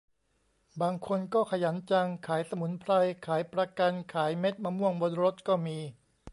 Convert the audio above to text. บางคนก็ขยันจัง ขายสมุนไพร ขายประกัน ขายเม็ดมะม่วงบนรถก็มี